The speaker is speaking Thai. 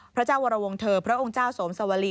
พระเจ้าวรวงเธอพระองค์เจ้าสวมสวรี